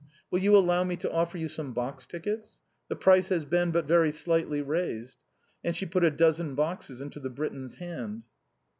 Will you allow me to offer you some box tickets ? The price has been but very slightly raised ;" and she put a dozen boxes into the Briton's hand.